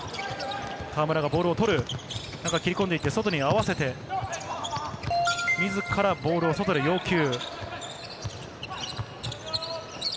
河村がボールを取る、切り込んで外に合わせて、自らボールを外で要求。